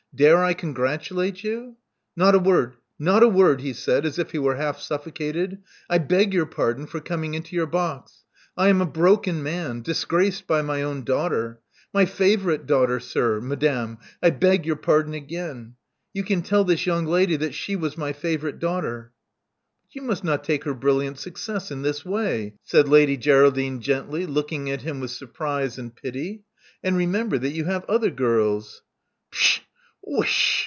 *'Dare I congratulate you?" Not a word — not a word," he said, as if he were half suffocated. I beg your pardon for coming into your box. I am a broken man — disgraced by my own daughter. My favorite daughter, sir — madame — I beg your pardon again. You can tell this young lady that she was my favorite daughter." But you must not take her brilliant success in this way,*' said Lady Geraldine gently, looking at him with surprise and pity. And remember that you have other girls." *TshaI Whish h h!"